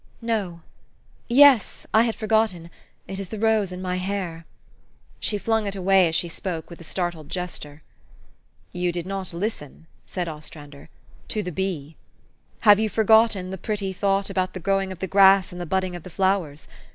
"No yes: I had forgotten. It is the rose in my hair." THE STORY OF AVIS. 113 She flung it away as she spoke with a startled gesture. " You did not listen," said Ostrander, " to the bee. Have you forgotten the pretty thought about the growing of the grass and budding of the flow ers